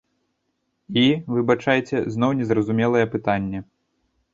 І, выбачайце, зноў незразумелае пытанне.